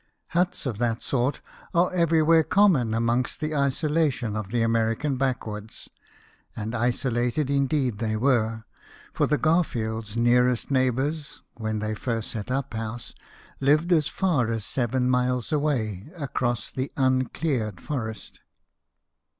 Huts of that sort are every where common among the isolation of the American backwoods ; and isolated indeed they were, for the Garfields' nearest neighbours, when they first set up house, lived as far as seven miles away, across the uncleared forest.